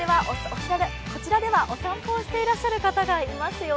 こちらではお散歩をしていらっしゃる方がいますよ。